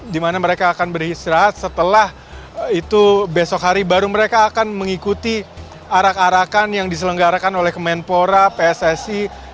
di mana mereka akan beristirahat setelah itu besok hari baru mereka akan mengikuti arak arakan yang diselenggarakan oleh kemenpora pssi